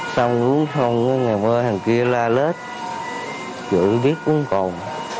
xong uống xong ngày mơ hàng kia la lết chữ viết uống còn